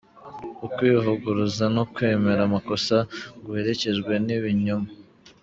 Ukwivuguruza no kwemera amakosa guherekejwe n’ibinyoma.